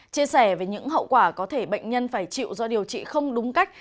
chia sẻ về những hậu quả có thể bệnh nhân phải chịu do điều trị không đúng cách